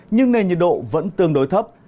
nhưng nền nhiệt độ vẫn tương đối thấp